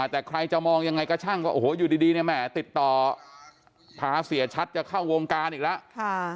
แต่ใครจะมองยังไงก็ช่างก็โอ้โหอยู่ดีเนี่ยแหมติดต่อพาเสียชัดจะเข้าวงการอีกแล้ว